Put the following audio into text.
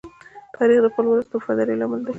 تاریخ د خپل ولس د وفادارۍ لامل دی.